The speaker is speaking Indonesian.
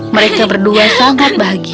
mereka berdua sangat bahagia